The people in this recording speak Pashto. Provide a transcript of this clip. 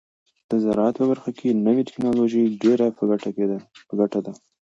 د زراعت په برخه کې نوې ټیکنالوژي ډیره په ګټه ده.